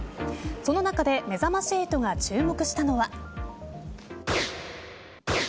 その中でめざまし８が注目したのは。